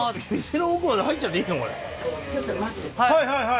店の奥まで入っちゃっていいの？